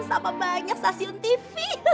sama banyak stasiun tv